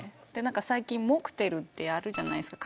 最近、モクテルってあるじゃないですか。